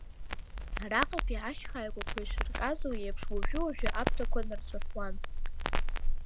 Араҟатәи ашьхааигәақәа ишырҟазшьоу еиԥш, уажәы-уажәы аԥҭақәа нарҿаҳәуан.